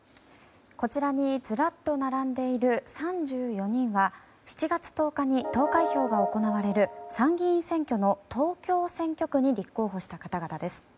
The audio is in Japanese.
こちらにずらっと並んでいる３４人は７月１０日に投開票が行われる参議院選挙の東京選挙区に立候補した方々です。